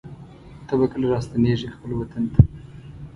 ته به کله راستنېږې خپل وطن ته